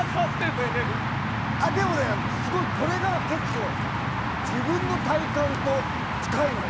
でも、これが結構自分の体感と近いのよ。